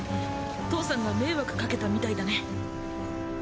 父さんが迷惑かけたみたいだね。